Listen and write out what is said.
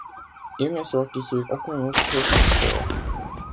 Il n'est sorti sur aucun autre support.